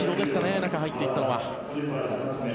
中に入っていったのは。